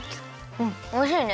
うんおいしいね。